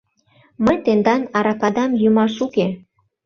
— Мый тендан аракадам йӱмаш уке.